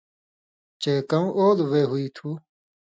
چے کؤں اولو وے ہُوئ تُھو